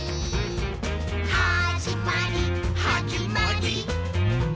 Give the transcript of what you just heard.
「はじまりはじまりー！」